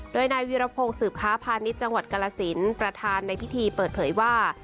โดยนายวิรพงศ์สืบค้าพาณิชย์จังหวัดกรสินประธานในพิธีเปิดเผยว่า